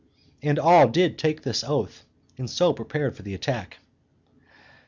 And all did take this oath, and so prepared for the attack.